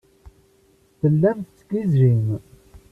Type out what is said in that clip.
Tellam tettgijjim.